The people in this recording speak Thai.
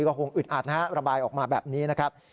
ก็คงอึดอัดนะฮะระบายออกมาแบบนี้นะครับ